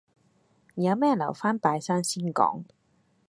有咩留返拜山先講